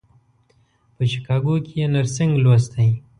په شیکاګو کې یې نرسنګ لوستی.